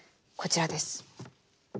こちらです。